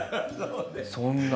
そんなに。